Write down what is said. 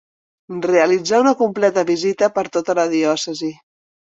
Realitzà una completa visita per tota la diòcesi.